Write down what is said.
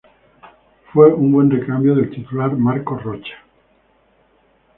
Fue un buen recambio del titular Marcos Rocha.